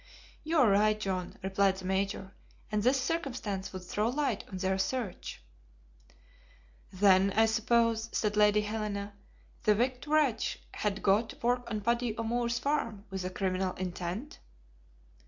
"You are right, John," replied the Major, "and this circumstance would throw light on their search." "Then, I suppose," said Lady Helena, "the wicked wretch had got work on Paddy O'Moore's farm with a criminal intent?"